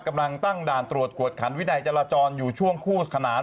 กำลังตั้งด่านตรวจกวดขันวินัยจราจรอยู่ช่วงคู่ขนาน